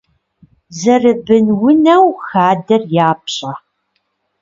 Зэрыбынунэу хадэр япщӏэ.